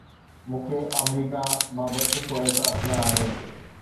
مون کي آمريڪا بابت سٺو احساس نه آهي.